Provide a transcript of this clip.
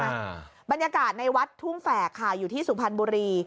อ่าบรรยากาศในวัดทุ่งแฝกค่ะอยู่ที่สุพรรณบุรี